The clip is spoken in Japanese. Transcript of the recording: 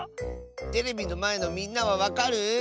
テレビのまえのみんなはわかる？